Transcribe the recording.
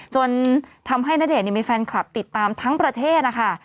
จนทำให้ณเดชน์มีแฟนคลับติดตามทั้งประเทศนะคะ